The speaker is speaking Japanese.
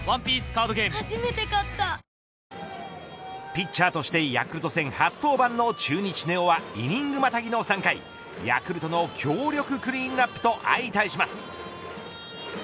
ピッチャーとしてヤクルト戦、初登板の中日、根尾はイニングまたぎの３回ヤクルトの強力クリーンアップと相対します。